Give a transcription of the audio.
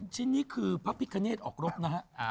ชิ้นนี้คือพระพิคเนตออกรบนะฮะ